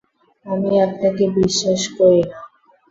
আমি আপনাকে বিশ্বাস করি না।